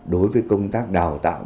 đối với công tác đào tạo